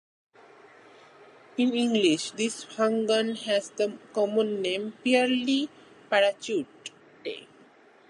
In English this fungus has the common name "Pearly Parachute".